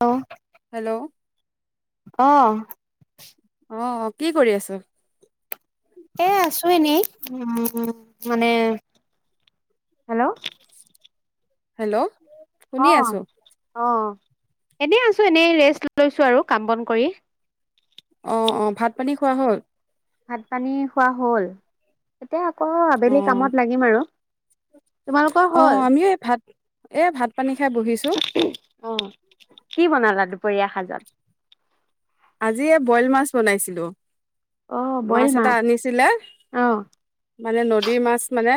অ। Hello? অ অ কি কৰি আছ? এ আছো এনেই উম মানে হেল্ল, হেল্ল। অ শুনি আছো অ, এনে আছো এনেই ৰেষ্ট লৈছো আৰু কাম বন কৰি। অ অ ভাত পানী খোৱা হ'ল। ভাত পানী খোৱা হল। এতিয়া আকৌ অ আবেলি কামত লাগিম আৰু তোমালোকৰ অ হল আমিও এই ভাত এ ভাত পানী খাই বহিছো অ, কি বনালা দুপৰীয়া সাজত। আজি এই বইল মাছ বনাইছিলো। অ', বইল মাছ এটা আনিছিলে, অ'। মানে নদীৰ মাছ মানে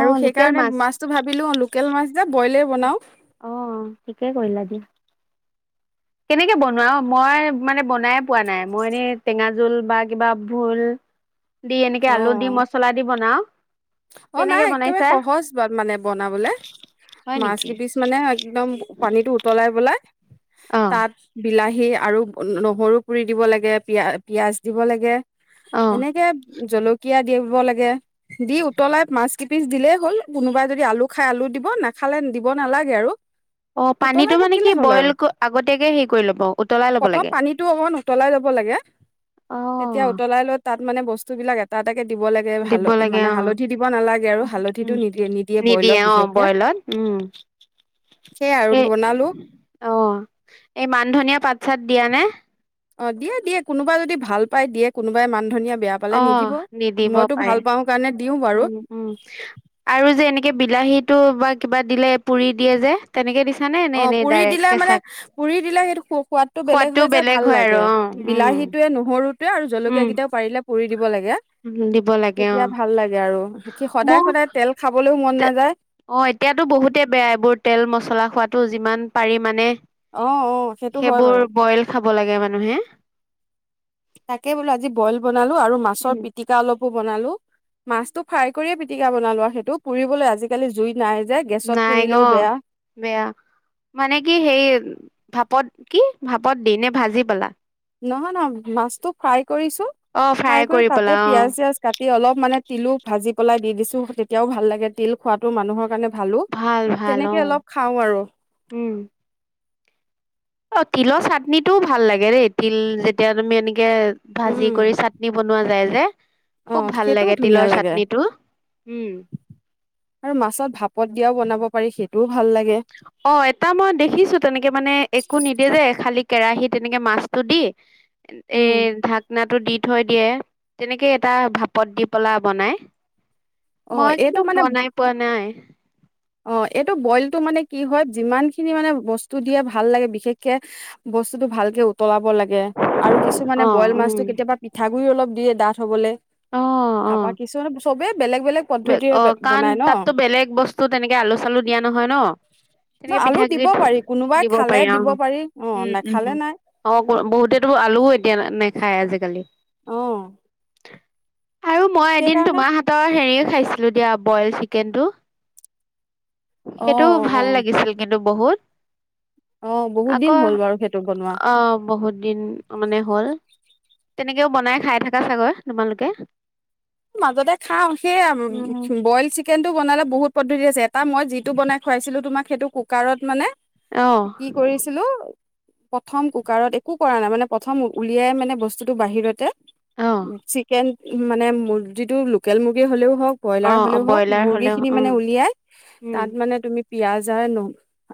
আৰু লোকেল সেইকাৰণে মাছ। মাছটো ভাবিলো লোকেল মাছ যে বইলে বনাও। অ', ঠিকে কৰিলা দিয়া। কেনেকে বনোৱা অ', মই মানে বনাই পোৱা নাই। মই এনেই টেঙা জোল বা কিবা ভোল দি এনেকে অ আলু দি, মছলা দি বনাও। অ', কেনেকে নাই একেবাৰে বনাইছা সহজ ব-মানে বনাবলে। হয় মাছ নেকি? কেইপিচ মানে একদম পানীতটো উতলাই পেলায় অ'। তাত বিলাহী সেই আৰু নহৰু পুৰি দিব লাগে, পিয়া-পিয়াঁজ দিব লাগে। অ এনেকে জলকীয়া দিব লাগে দিওঁ। উতলাই মাছ কিপিচ দিলেই হ'ল, কোনোবাই যদি আলু খায় আলু দিব, নাখালে দিব নালাগে আৰু। অ', পানীটো উতলাই মানে কি থাকিলেই হ'ল আৰু বইল আগতীয়াকে হেৰি কৰি ল'ব, উতলাই ল'ব প্ৰথম লাগে। পানীটো অকমান উতলাই ল'ব লাগে তেতিয়া অ'। উতলাই লৈ তাত মানে বস্তুবিলাক এটা, এটা দিব লাগে দিব লাগে হাল-মানে অ হাল দিব নালাগে আৰু হালধিটো নিদিয়ে বইলত নিদিয়ে অ', বিশেষকে বইলত উম, সেয়াই আৰু সেই বনালো অ', এই মান ধনিয়া পাত, চাত দিয়া নে? অ', দিয়ে, দিয়ে কোনোবাই যদি ভাল পাই দিয়ে, কোনোবাই মান ধনিয়া বেয়া পালে অ', নিদিব নিদিব মইতো পাৰে। ভাল পাওঁ কাৰণে দিওঁ বাৰু উম, উম, আৰু যে, এনেকে বিলাহীটো বা কিবা দিলে পুৰি দিয়ে যে, তেনেকে দিছ অ', পুৰি দিলে মানে, পুৰি দিলে সেইটো সো-সোৱাদটো বেলেগ সোৱাদটো হয়, যে, ভাল হয় আৰু লাগে অ উম বিলাহীটোৱে, নহৰুটোৱে আৰু জলকীয়া উম কেইটাও পাৰিলে পুৰি দি দিব লাগে, দিব লাগে অ তেতিয়া ভাল লাগে আৰু। কি সদায় মোৰ সদায় তেল খাবলৈও মন নাযায় তে-অ', এতিয়াতো বহুতে বেয়া এইবোৰ তেল মচলা। খোৱাটো যিমান পাৰি মানে অ', অ', সেইটো হয় বাৰু। ব লাগে মানুহে। তাকে বোলো আজি বইল বনালো আৰু মাছৰ উম, পিটিকা অলপ পো বনালো। মাছটো ফাই কৰিয়ে পিটিকা বনালো আৰু সেইতো পুৰিবলৈ আজিকালি জুইত নাই যে, গেছত নাই অ পুৰিলেও বেয়া। বেয়া মানে কি হেই ভাপত কি? ভাপত দি নে ভাজি পেলাই? নহয়, নহয়। মাছটো ফ্ৰাই কৰিছো, অ ফ্ৰাই কৰি পেলা তাতে অ পিয়াজ-চিয়াজ কাটি অলপ মানে তিলো ভাজি পেলাই দি দিছো। তেতিয়াও ভাল লাগে। তিল খোৱাটো মানুহৰ কাৰণে ভাল, ভাল অ তেনেকে অলপ খাও আৰু। উম অ তিলৰ চাটনিটোও ভাল লাগে দেই তিল যেতিয়া তুমি এনে, এনেকে ভাজি উম কৰি চাটনি বনোৱা যায়, [unintelligible] অ খুব ভাল সেইটোও লাগে ধুনীয়া তিলৰ লাগে চাটনিটো উম আৰু মাছত ভাপত দিয়াও বনাব, পাৰি সেইটো, অ এটা মই দেখিছো তেনেকে মানে একো নিদেয়ে যে খালী। কেৰাহীত তেনেকে মাছটো দি। এ উম ঢাকনা, টো দি থৈ দিয়ে তেনেকে এটা ভাপত দি পেলাই বনাই অ মই এইটো কিন্তু মানে বনাই পোৱা নাই অ এইটো বইলটো মানে কি হয় যিমান খিনি মানে বস্তু দিয়ে ভাল লাগে বিশেষকে বস্তুটো ভালকে উতলাব উতলাব লাগে আৰু অ কিছুমানে বইল উম মাছটো কেতিয়াবা পিঠাগুৰি অলপ দিয়ে দাঠ হবলে তাপা কিছুমান চবে বেলেগ বেলেগ বেগ পদ্ধতিৰে অ কাৰণ বনাই ন তাততো বেলেগ বস্তু তেনেক কে আলু চালু দিয়া নহয় ন ন তেনেকে আলু পিঠা দিব গুৰি পাৰি কোনোবাই দিব খালে পাৰি অ অ উম নাখালে উম নাই অ বহুতে আলুও এতিয়া নেখ খায় আজিকালি অ [inaudible] আৰু মই এদিন সেইকাৰণে তোমাৰ হাতৰ হেৰি খাইছিলো দিয়া বইল চিকেন টো অ সেইটো অ ভাল লাগিছিল কিন্তু বহুত অ বহুত দিন আকৌ হ'ল বাৰু সেইটো বনোৱা আহ বহুত দিন মানে হ'ল তেনেকেও বনাই খাই থাকা চাগৈ তোমালোকে মাজতে খাও সেইয়া উম বইল চিকেনটো বনালে বহুত পদ্ধতি আছে তা মই যিটো বনাই খোৱাইছিলো তোমাক সেইটো কুকাৰত মানে অ কি কৰিছিলো প্ৰথম কুকাৰত একো কৰা নাই মানে প্ৰথম উলিয়াই মানে বস্তুটো বাহিৰতে অ চিকেন মানে চবজিটো লোকেল মুৰ্গী হ'লেও ব অ হও ব্ৰইলাৰ মুৰ্গ হলেও খিনি উম মানে উ উম তাত মানে তুি প যায়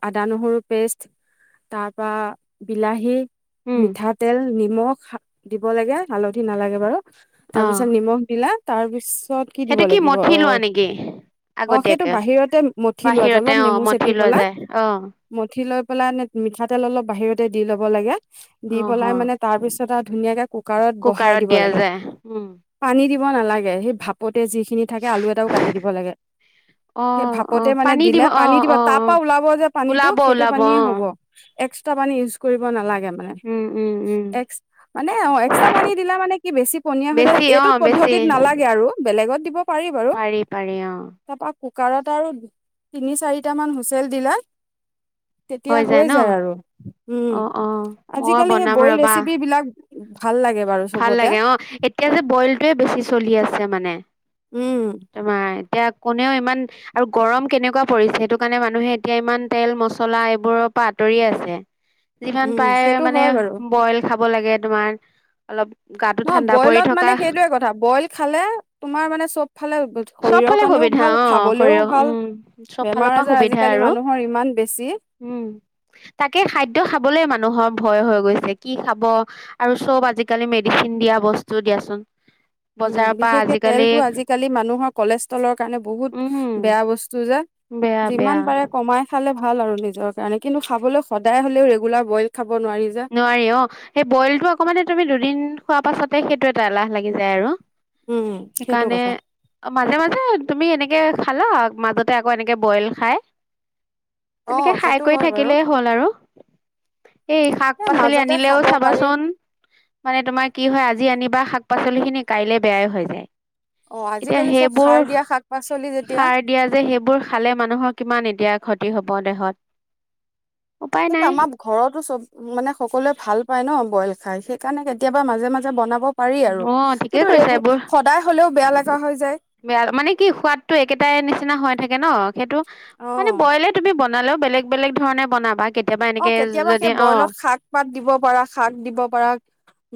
আদা নহৰু পেষ্ট তাৰপৰা বিলাহী উম মিঠাতেল নিমখ দিব লাগে হালধি নালাগে বাৰু তাৰ অ পিছত নিমখ দিলা তাৰপিছ ত কি দিব সেইটো লাগিব অ মঠি লোৱা নেকি অ সেইটো আগতীয়াকে বাহিৰতে মঠি লোৱা বাহিৰতে অলপ অ নেমু চেপি মঠি লোৱা পেলাই যায় অ মঠি লৈ পা মিঠাতেল অলপ বাহিৰতে দি ল'ব লাগে দি অ পেলাই অ মানে তাৰ পিছত আৰু ধুনীয়াকে কুকাৰত বহাই দিব দিয়া লাগে যায় উম পানী দিব নালাগে স ভাপতে যিখিনি থাকে আলু এটাও কাটি দিব লাগে অ সেই অ ভাপতে মানে পানী দিলে অ পানী দিব অ অ তাৰ পৰাা ওলাব যে পানীটো ওলাব সেইটো ওলাব অ পানীয়ে হব এক্সট্ৰা পানী ইউজ কৰিব নালাগে উম উম উম মানে অ এক্স্ৰা পানী দিলে মানে কি বেছি পনীয়া হৈ যায় বেছি অ এইটো বেছি পদ্ধতিত নালাগে আৰু বেলেগত দিব পাৰি বাৰু পাৰি অ কুকাৰত আৰু তিনি চাৰিটামান হুইচেল দিলা তেতিয়া হৈ যায় আৰু উম অ অ মই আজিকালি সেই বনাম বইল ৰবা ৰেচিপ বিলাক ভাল লাগে বাৰু ভাল চবতে লাগে অ এতিয়া যে বইলটয়ে বেছি চলি আছে মানে উম তম তয়া কোনেও ইমান আৰু গৰম কেনেকুৱা পৰিছে সেইটো কাৰণে মানুহে এতিয়া ইমান তেল মছলা এইবোৰৰ পৰা আঁতৰি আছে যিমান উম পাৰে সেইটো মানে হয় বাৰু বইল খাব ক লাগে তোমাৰ অলপ গাটো ন ঠাণ্ডা পৰি বইলত থকা মানে সেইটোয়ে কথা বইল খালে তোমাৰ মানে চব ফালে শৰীৰৰ চবফালে কাৰণেও সুবিধা ভাল অ খাবলেও সৰয়হ ভাল উম চব বেমাৰ ফালৰ পৰা আজাৰ সুবিধা আজিকালি আৰু মানুহৰ ইমান বেছি উম তাকে খাদ্য খাবলৈ মানুহৰ ভয় হৈ গৈছে কি খাব আৰু চব আজিকালি মেডিচিন দিয়া বস্তু দিয়াচোন উম বজাৰৰ পৰা বিশেষকে আজিকালি তেলতো আজিকালি মান মানুহৰ কলেষ্ট্ৰলৰ কাৰণে বহুত উম বেয়া বস্তু যে। বেয়া যিমান বেয়া পাৰে কমাই খালে। ভাল আৰু নিজৰ কাৰণে, কিন্তু খাবলৈ সদায় হ'লেও ৰেগুলাৰ বইল খ নোৱাৰি অ', সেই বইলটো অকমানে তুমি দুদিন। খোৱা পাছতে সেইটো এটা এলাহ লাগি যায় আৰু। উম সেইটো সেইকাৰণে কথা মাজে মাজে তুমি এনেকে। খালা, মাজতে আকৌ এনেকে বইল খাই। অ তেনেকে খাই সেইটো কৰি হয় বাৰু থাকিলেই হ'ল আৰু, এ শাক। শাক এ পাচলি মাজতে আনিলেও খাব পাৰি চাবাচোন, মানে তোমাৰ কি হয় আজি আনিবা। শাক পাচলি খিনি কাইলে বেয়াই হৈ যায়। অ এতিয়া আজিকালি চব সেইবোৰ সাৰ দিয়া শাক পাচলি যেতিয়া সাৰ দিয়া যে সেইবোৰ খালে মানুহৰ কিমান এতিয়া ক্ষতি হ'ব দেহত। উপায় সেইটো নাই আমাৰ ঘৰতো চব মানে সকলোৱে ভাল পায় ন' বইল খাই, সেই কাৰণে মাজে মাজে বন অ', ঠিকেই কৰিছা এইবোৰ, সদায় হ'লেও বেয়া লগা হৈ যায় বেয়া মানে কি, সোৱাদটো একেটাই নিচিনা হৈ থাক তাকে ন' সেইটো মানে অ ব'ইলে তুমি ব বনালেও বেলেগ বেলেগ ধৰণে বনাবা, কে অ', কেতিয়াবা সেই ব'ইলত শাক পাত দিব পাৰা, শাক দিব পাৰা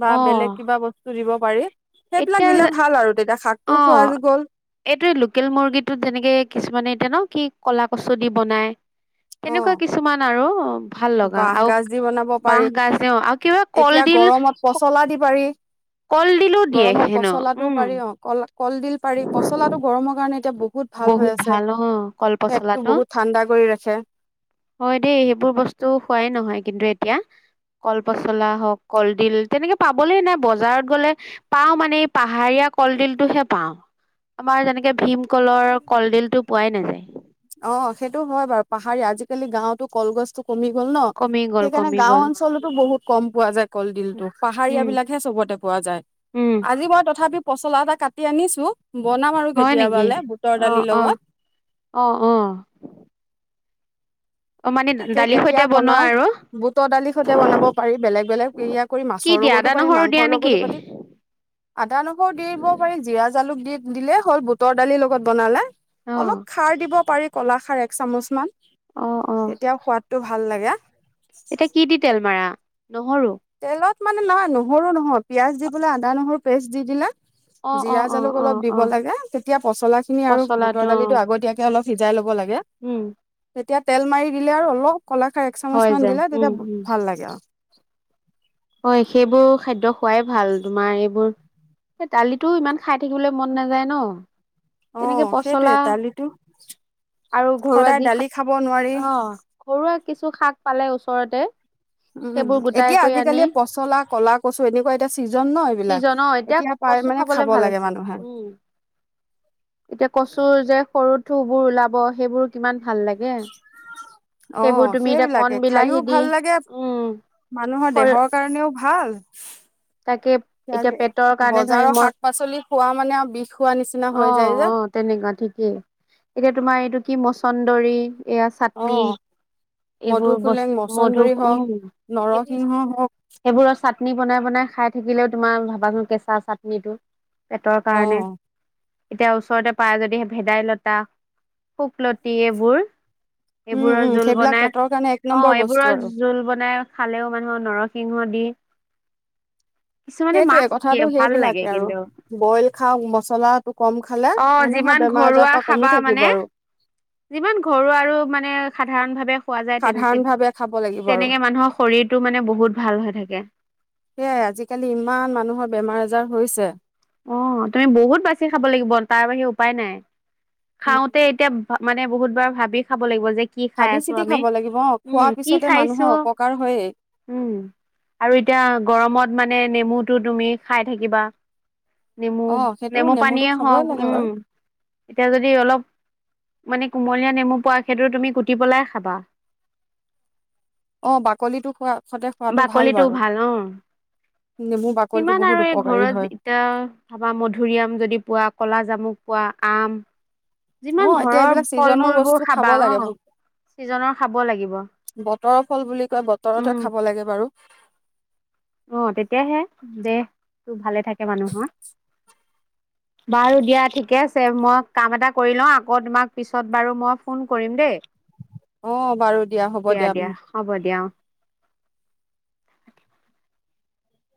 বা অ বেলেগ কিবা বস্তু দিব পাৰি। সেইবিলাক এতিয়া দিলে ভাল আৰু তেতিয়া শাকটোও খোৱা অ', গ'ল এইটো লোকেল মুৰ্গীটোত যেনেকে কিছুমানে দিয়ে ন' কি ক'লা কচু দি বনাই। অ তেনেকুৱা কিছুমান আৰু ভাল লগা বাঁহ আৰু গাজ দি বনাব বাঁহ পাৰি গাজ ও আৰু কিবা এতিয়া কলডিল গৰমত পচলা দি পাৰি কলডিলো দিয়ে গৰমত হেনো, পচলাটো উম। পাৰি অ কল কলডিল পাৰি, পচলাটো গৰমৰ কাৰণে এতিয়া বহুত ভাল হৈ আছে, অ কল পেটটো পচলাটো বহুত ঠাণ্ডা কৰি ৰাখে। হয় দেই, সেইবোৰ বস্তু খোৱাই নহয়। কিন্তু এতিয়া কল পচলা হওঁক কলডিল। তেনেকে পাবলেই নাই বজাৰত গলে পাওঁ মানে এই পাহাৰীয়া কলডিলটোহে পাওঁ। আমাৰ যেনেকে। ভীম। কলৰ কলডিল টো। পোৱাই নাযায়। অহ', সেইটো হয় বাৰু পাহাৰীয়া। আজিকালি গাঁওতো কলগছটো। কমি গ'ল ন, কমি গ'ল সেইকাৰণে কমি গাঁও গ'ল অঞ্চলতো বহুত। কম পোৱা যায়। কলডিলটো পাহাৰীয়া উম বিলাকহে চবতে পোৱা যায় উম আজি মই তথাপি। পচলা এটা কাটি আনিছো। বনাম আৰু হয় নেকি কেতিয়াবালে বুটৰ অ দালিৰ অ লগত। অ অ অ মানে তাকে দালিৰ কেতিয়া সৈতে বনোৱা বনাও আৰু বুটৰ দালি সৈতে বনাব পাৰি বেলেগ বেলেগ পেৰিয়া কৰি কি মাছৰ দিয়া আদা লগতো পাৰি নহৰু দিয়া মাংসৰ নেকি লগতো পাৰি আদা নহৰু দিব পাৰি জিৰা। জালুক দি দিলে হ'ল বুটৰ দালিৰ লগত বনালে। অ অলপ খাৰ দিব পাৰি। কলাখাৰ এক চামুচমান। অ অ তেতিয়া সোৱাদটো ভাল লাগে। এতিয়া কি দি তেল মাৰা? নহৰু! তেলত মানে নহয় নহৰু নহয় পিয়াজ দি পেলাই আদা নহৰু পেষ্ট দি দিলে অ অ জিৰা অ জালুক অ অলপ দিব অ লাগে তেতিয়া পচলা খিনি আৰু বুটৰ পচলাটো অ দালিটো আগতীয়াকে অলপ সিজাই ল'ব লাগে উম তেতিয়া তেল মাৰি দিলে আৰু অলপ কলাখাৰ এক চামুচ হৈ মান যায় দিলে উম তেতিয়া উম ভাল লাগে আৰু [inaudible] হয় সেইবোৰ খাদ্য খোৱাই ভাল তোমাৰ এইবোৰ দালিটো ইমান খাই থাকিবলৈ মন নাযায় ন! অ তেনেকে সেইটোয়ে পচলা দালিটো আৰু ঘৰুৱা সদায় যি দালি খাব নোৱাৰি অ ঘৰুৱা কিছু শাক পালে ওচৰত ওপৰতে উম এতিয়া আজিকালি পচ পচলা কলা কচু এনেকুৱা এতিয়া চিজন ন এইবিলাক ছিজনৰ এতিয়া পায় কচু মানে খাবলে খাব ভাল লাগে হৈছে মানুহে। উম থু বোৰ ওলাব সেইবোৰ কিমান ভাল লাগে অ সেইবোৰ তুমি এতিয়া সেইবিলাকে কণ খাইও বিলাহী দি ভাল লাগে উম মানুহৰ খ দেহৰ কাৰণেও ভাল। তাকে এতিয়া পেটৰ কাৰণে ধৰি বজাৰৰ ম শাক পাচলি খোৱা মানে আৰু বিষ খোৱা নিচিনা অ হৈ যায় যে অ তেনেকুৱা ঠিকেই এতিয়া তোমাৰ এইটো কি মচ চন্দৰী এইয়া অ চাটনি এইবোৰ মধুসোলেং বস্ত মধু মচন্দৰী উ হওক সেইবোৰ নৰসিংহ হওক সেইবোৰৰ চাটনি চাতনি বনাই বনাই খাই থাকিলেও তোমাৰ ভাবাচোন কেঁচা চাটনিটো পেটৰ অ কাৰণে এতিয়া ওচৰতে পাৰা যদি ভেদাইলতা শুকলতি এইবোৰ উম এইবোৰৰ উম জোল সেইবিলাক বনাই পেটৰ কাৰণে এক অ নম্বৰ বস্তু এইবোৰৰ আৰু জোল বনাই খালেও মানুহৰ নৰসিংহ দি কিছুমানে সেইটোৱে মাছ দিয়ে কথাটো ভাল লাগে সেইবিলাকে আৰু কিন্তু বইল খাওক মচলাটো কম খালে অ মানুহৰ যিমান বেমাৰ আজাৰ ঘৰুৱা পৰা কমি খাবা থাকিব মানে আৰু যিমান ঘৰুৱা আৰু মানে সাধাৰণ ভাৱে। খোৱা যায় সাধাৰণ তে ভাৱে খাব লাগিব আৰু তেনেকে মানুহৰ শৰীৰটো মানে বহুত ভাল হৈ থাকে। সেইয়াই আজিকালি ইমান মানুহৰ বেমাৰ আজাৰ হৈছে। অ তুমি বহুত বাচি খাব লাগিব তাৰ বাহিৰে উপায় নাই। উম খাওঁতে এতিয়া ভাল মানে বহুতবাৰ ভাবি খাব লাগিব যে। কি খাই ভাবি আছো চিতি আমি, খাব লাগিব অ খোৱাৰ উম কি পিছতে মানুহৰ খাইছো, অপকাৰ হয়েই উম আৰু এতিয়া গৰমত মানে মানে নেমুটো তুমি খাই থাকিবা নেমু অ সেইটো নেমু নেমুটো পানীয়েই খাবই হওক, লাগে উম বাৰু এতিয়া যদি অলপ মানে কুমলীয়া নেমু পোৱা সেইটো তুমি কুটি পেলাই খাবা অ বাকলিটো খোৱা সতে খোৱাটো ভাল বাকলিটো বাৰু, অ নেমু বাকলিটো বহুত উপকাৰী হয়। তাৰপৰা মধুৰিআম যদি পোৱা, কলা জামুক পোৱা, আম যিমান অ এতিয়া ঘৰৰ এইবিলাক ফল চিজনৰ মূলবোৰ বস্তু খাব খাবা অ লাগে, ছিজনৰ খাব লাগিব বতৰৰ ফল বুলি কয়, উম বতৰতহে খাব লাগে বাৰু অ তেতিয়াহে দে তোৰ ভালে থাকে মানুহৰ, বাৰু দিয়া ঠিকে আছে মই কাম এটা কৰি লওঁ আকৌ তোমাক পিছত বাৰু মই ফোন কৰিম দেই, অ বাৰু হ'ব দিয়া দিয়া হব দিয়া, অহ